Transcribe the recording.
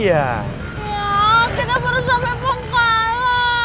ya kita baru sampai pukul